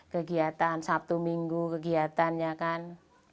kegiatan sabtu minggu kegiatan ya kan